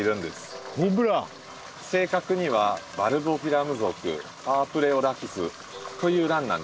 正確にはバルボフィラム属パープレオラキスというランなんです。